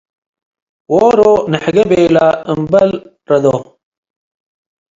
ዎሮ ንሕጌ ቤለ - እምበል ረዶ፣